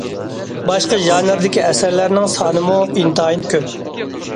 باشقا ژانىردىكى ئەسەرلەرنىڭ سانىمۇ ئىنتايىن كۆپ.